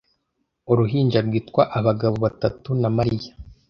Uruhinja rwitwa Abagabo Batatu na Mariya